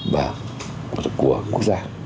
và của quốc gia